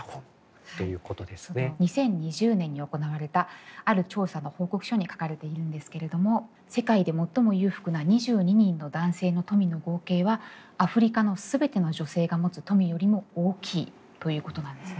２０２０年に行われたある調査の報告書に書かれているんですけれども世界で最も裕福な２２人の男性の富の合計はアフリカの全ての女性が持つ富よりも大きいということなんですね。